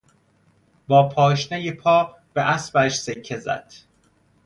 با پاشنهی پا به اسبش سکه زد.